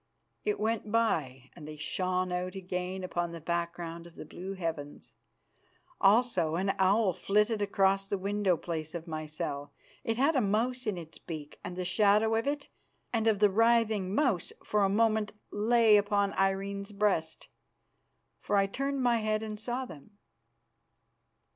It went by, and they shone out again upon the background of the blue heavens. Also an owl flitted across the window place of my cell. It had a mouse in its beak, and the shadow of it and of the writhing mouse for a moment lay upon Irene's breast, for I turned my head and saw them.